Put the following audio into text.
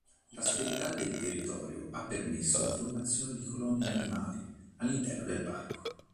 L'asperità del territorio ha permesso la formazione di colonie animali all'interno del Parco.